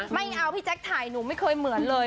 ไม่เอาพี่แจ๊คถ่ายหนูไม่เคยเหมือนเลย